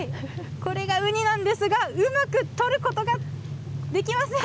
これがウニなんですが、うまく取ることができません。